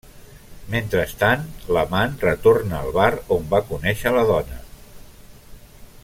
Mentrestant, l'amant retorna al bar on va conèixer la dona.